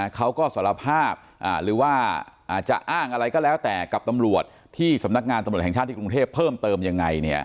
เขาก็สารภาพหรือว่าจะอ้างอะไรก็แล้วแต่กับตำรวจที่สำนักงานตำรวจแห่งชาติที่กรุงเทพเพิ่มเติมยังไง